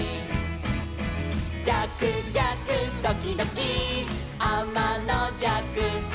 「じゃくじゃくドキドキあまのじゃく」